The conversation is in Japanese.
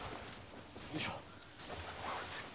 よいしょ。